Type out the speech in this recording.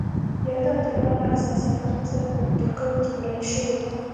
یاده طرحه له اساسي قانون سره په ټکر کې بلل شوې وه.